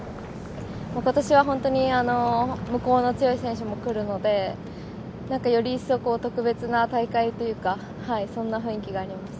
◆ことしは本当に、向こうの強い選手も来るので、何かより一層特別な大会というか、そんな雰囲気があります。